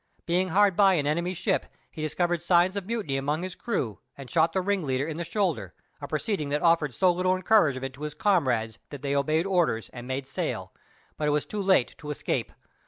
Being hard by an enemy's ship, he discovered signs of mutiny among his crew, and shot the ringleader in the shoulder; a proceeding that offered so little encouragement to his comrades, that they obeyed orders, and made sail, but it was too late to escape.